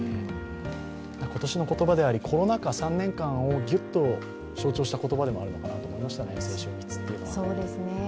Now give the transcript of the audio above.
今年の言葉でありコロナ禍、３年間をぎゅっと象徴した言葉でもありましたね。